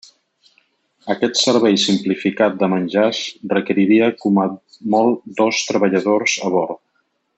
Aquest servei simplificat de menjars requeriria com a molt dos treballadors a bord.